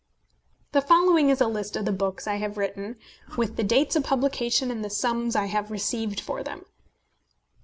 The following is a list of the books I have written, with the dates of publication and the sums I have received for them.